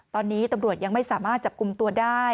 ตอนนี้ตำรวจยังไม่สามารถจับกลุ่มตัวได้